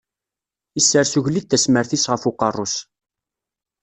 Isers ugellid tasmert-is ɣef uqerru-s.